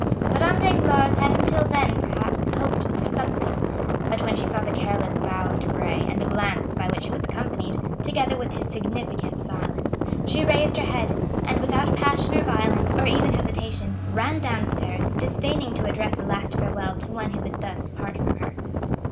Madame Danglars had until then, perhaps, hoped for something; but when she saw the careless bow of Debray, and the glance by which it was accompanied, together with his significant silence, she raised her head, and without passion or violence or even hesitation, ran downstairs, disdaining to address a last farewell to one who could thus part from her.